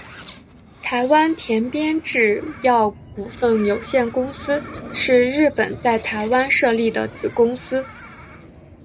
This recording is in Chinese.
台湾田边制药股份有限公司是日本在台湾设立的子公司。